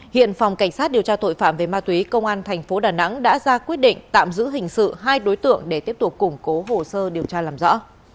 hiện phòng cảnh sát điều tra tội phạm về ma túy công an thành phố đà nẵng đã ra quyết định tạm giữ hình sự hai đối tượng để tiếp tục củng cố hồ sơ điều tra làm rõ